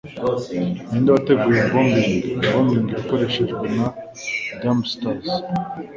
Ninde Wateguye Bombing Bombing Yakoreshejwe na Dambusters